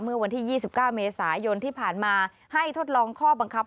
เมื่อวันที่๒๙เมษายนที่ผ่านมาให้ทดลองข้อบังคับ